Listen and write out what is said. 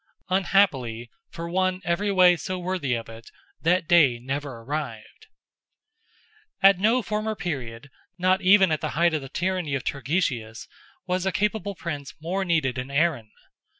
Unhappily, for one every way so worthy of it, that day never arrived! At no former period,—not even at the height of the tyranny of Turgesius,—was a capable Prince more needed in Erin.